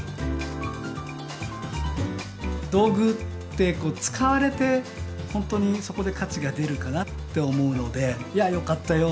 道具って使われて本当にそこで価値が出るかなって思うので「いやよかったよ」